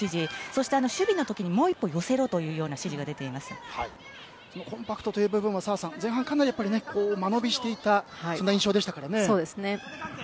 そして、守備の時にもう一歩寄せろという指示がコンパクトという部分は澤さん、前半かなり間延びしていた印象でしたからね。